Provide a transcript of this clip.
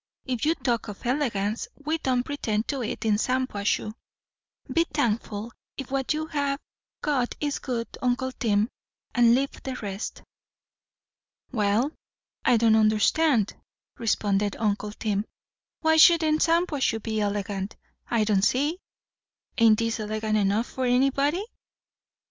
"If you talk of elegance, we don't pretend to it in Shampuashuh. Be thankful if what you have got is good, uncle Tim; and leave the rest." "Well, I don't understand," responded uncle Tim. "Why shouldn't Shampuashuh be elegant, I don't see? Ain't this elegant enough for anybody?"